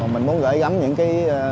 mình muốn gửi giấm những cái